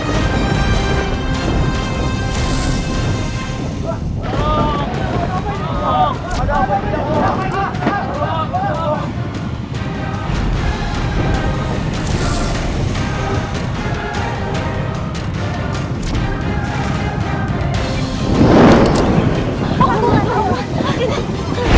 kekuatan trisula kembar ini bahkan lebih besar dari kekuatan senjataku sebelumnya